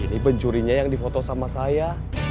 ini pencurinya yang difoto sama saya